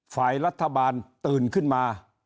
ฝ่ายรัฐบาลตื่นขึ้นมา